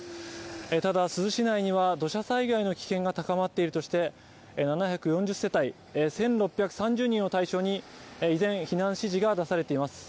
ただ珠洲市内には土砂災害の危険が高まっているとして、７４０世帯１６３０人を対象に依然、避難指示が出されています。